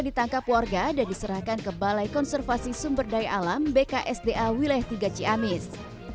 ditangkap warga dan diserahkan ke balai konservasi sumber daya alam bksda wilayah tiga ciamis